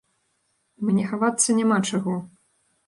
Мне хавацца няма чаго.